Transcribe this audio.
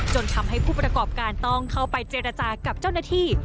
จนทำให้ผู้ประกอบการต้องเข้าไปเจรจากับเจ้าหน้าที่